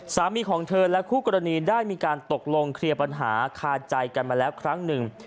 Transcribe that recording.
สามีของเธอและคู่กรณีได้มีการตกลงเคลียร์ปัญหาคาใจกันมาแล้วครั้งหนึ่ง